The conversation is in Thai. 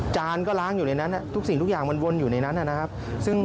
จานก็ล้างอยู่ในนั้นทุกสิ่งทุกอย่างมันวนอยู่ในนั้นนะครับ